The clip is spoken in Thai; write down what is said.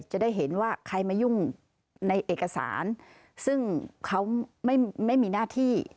จะได้เห็นว่าใครมายุ่งในเอกสารซึ่งเขาไม่มีหน้าที่